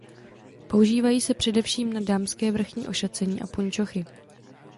Používají se především na dámské vrchní ošacení a punčochy.